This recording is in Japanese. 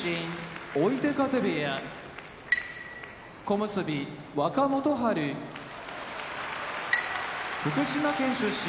追手風部屋小結・若元春福島県出身